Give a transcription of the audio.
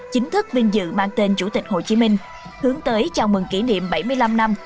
chính thức vinh dự mang tên chủ tịch hồ chí minh hướng tới chào mừng kỷ niệm bảy mươi năm năm